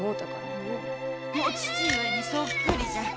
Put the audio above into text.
お父上にそっくりじゃ。